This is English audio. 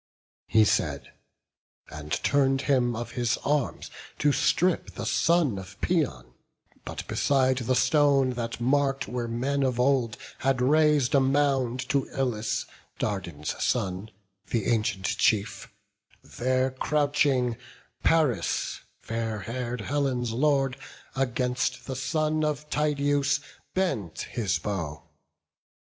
He said, and turn'd him of his arms to strip The son of Paeon; but beside the stone That mark'd where men of old had rais'd a mound To Ilus, Dardan's son, the ancient chief, There crouching, Paris, fair hair'd Helen's Lord, Against the son of Tydeus bent his bow.